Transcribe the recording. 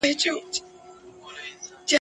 زما ښکلې لمسۍ مُنانۍ !.